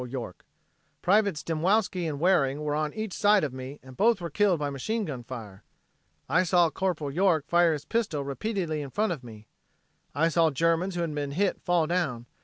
York. Privates Dymowski and Waring were on each side of me and both were killed by machine gun fire. I saw Corp. York fire his pistol repeatedly in front of me. I saw Germans who had been hit fall down.